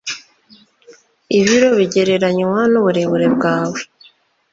ibiro bigereranywa n'uburebure bwawe